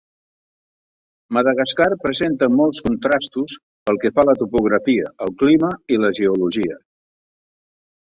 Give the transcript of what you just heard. Madagascar presenta molts contrastos pel que fa a la topografia, el clima i la geologia.